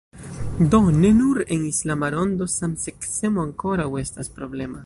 Do ne nur en islama rondo samseksemo ankoraŭ estas problema.